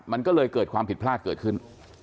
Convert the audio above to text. มันก็เลยเกิดความผิดพลาดเกิดขึ้น